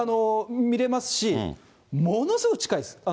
見れますし、ものすごい近いです。